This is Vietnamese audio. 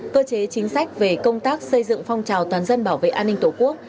cơ chế chính sách về công tác xây dựng phong trào toàn dân bảo vệ an ninh tổ quốc